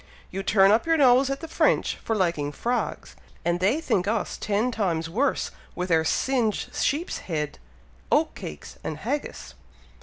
You turn up your nose at the French for liking frogs; and they think us ten times worse with our singed sheep's head, oat cakes, and haggis."